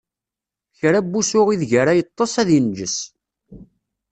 Kra n wusu ideg ara yeṭṭeṣ, ad inǧes.